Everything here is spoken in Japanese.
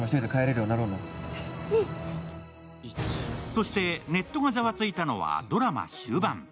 そして、ネットがざわついたのはドラマ終盤。